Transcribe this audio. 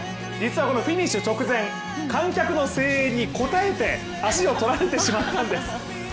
実はこのフィニッシュ直前、観客の声援に心を奪われて足を取られてしまったんです。